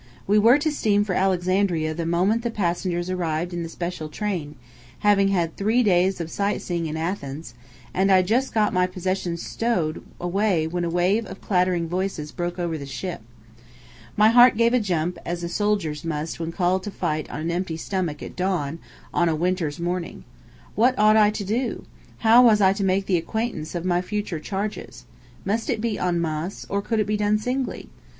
We were to steam for Alexandria the moment the passengers arrived in the special train having had three days of sightseeing in Athens and I had just got my possessions stowed away when a wave of chattering voices broke over the ship. My heart gave a jump, as a soldier's must when called to fight on an empty stomach at dawn on a winter's morning. What ought I to do? How was I to make the acquaintance of my future charges? Must it be en masse, or could it be done singly?